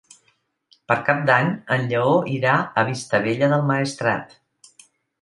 Per Cap d'Any en Lleó irà a Vistabella del Maestrat.